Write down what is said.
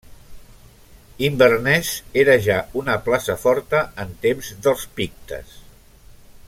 Inverness era ja una plaça forta en temps dels pictes.